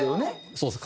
そうですね。